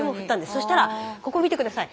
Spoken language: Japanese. そしたらここ見て下さい。